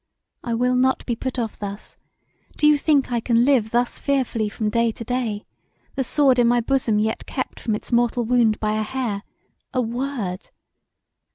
I will not be put off thus: do you think that I can live thus fearfully from day to day the sword in my bosom yet kept from its mortal wound by a hair a word!